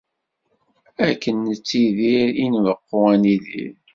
Akken nettidir i nbeqqu ad nidir.